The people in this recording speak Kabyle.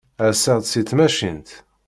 Rseɣ-d si tmacint.